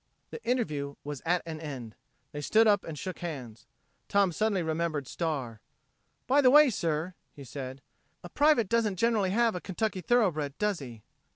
The interview was at an end. They stood up and shook hands. Tom suddenly remembered Star. "By the way, sir," he said. "A private doesn't generally have a Kentucky thoroughbred, does he?"